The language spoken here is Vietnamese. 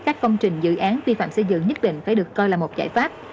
các công trình dự án vi phạm xây dựng nhất định phải được coi là một giải pháp